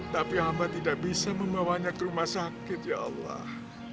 tapi hamba tidak bisa membawanya ke rumah sakit ya allah